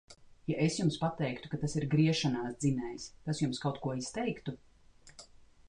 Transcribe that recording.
Ja es jums pateiktu, ka tas ir griešanās dzinējs, tas jums kaut ko izteiktu?